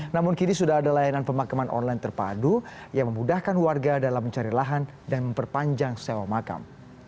namun kini sudah ada layanan pemakaman online terpadu yang memudahkan warga dalam mencari lahan dan memperpanjang sewa makam